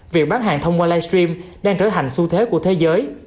việc bán hàng thông qua live stream đang trở thành xu thế của thế giới